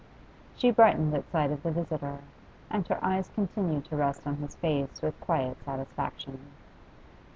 She brightened at sight of the visitor, and her eyes continued to rest on his face with quiet satisfaction.